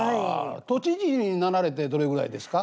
都知事になられてどれぐらいですか？